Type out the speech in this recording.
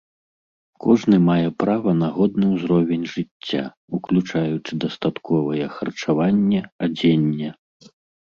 Кожны мае права на годны ўзровень жыцця, уключаючы дастатковае харчаванне, адзенне.